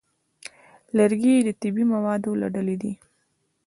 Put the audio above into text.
لرګی د طبیعي موادو له ډلې دی.